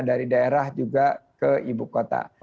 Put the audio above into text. dari daerah juga ke ibu kota